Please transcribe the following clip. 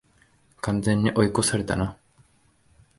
完全に追い越されたな